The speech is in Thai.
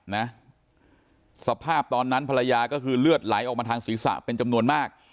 นะสภาพตอนนั้นภรรยาก็คือเลือดไหลออกมาทางศีรษะเป็นจำนวนมาก